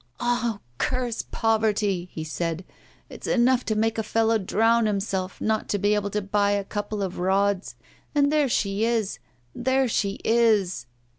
'Ah! curse poverty!' he said. 'It's enough to make a fellow drown himself not to be able to buy a couple of rods! And there she is, there she is!